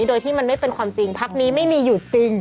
โดยที่มันไม่เป็นความจริงพักนี้ไม่มีอยู่จริง